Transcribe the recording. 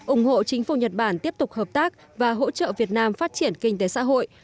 ủng hộ chính phủ nhật bản tiếp tục hợp tác và hỗ trợ việt nam phát triển kinh tế xã hội